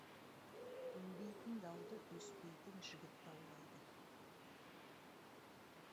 Өнбейтін дауды өспейтін жігіт даулайды.